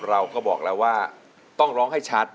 เราก็บอกแล้วว่าต้องร้องให้ชัด